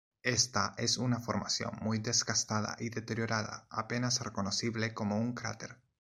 Esta es una formación muy desgastada y deteriorada, apenas reconocible como un cráter.